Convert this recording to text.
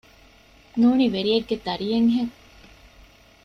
ނޫނީ ވެރިޔެއްގެ ދަރިއެއް ހެން